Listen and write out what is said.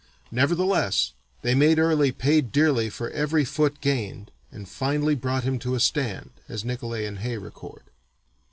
Nevertheless, they made Early "pay dearly for every foot gained and finally brought him to a stand," as Nicolay and Hay record.